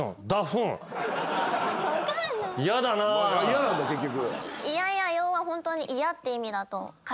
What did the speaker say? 嫌なんだ結局。